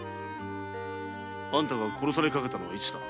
あんたが殺されかけたのはいつだ？